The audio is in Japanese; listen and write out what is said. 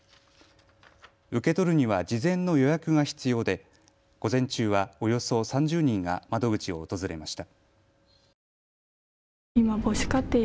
受け取るには事前の予約が必要で午前中はおよそ３０人が窓口を訪れました。